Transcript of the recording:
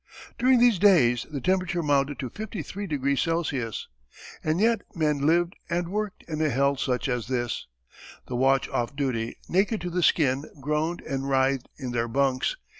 During these days the temperature mounted to 53° Celsius. And yet men lived and worked in a hell such as this! The watch off duty, naked to the skin, groaned and writhed in their bunks.